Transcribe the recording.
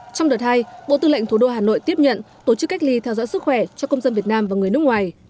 trong đợt hai bộ tư lệnh thủ đô hà nội tiếp nhận tổ chức cách ly theo dõi sức khỏe cho công dân việt nam và người nước ngoài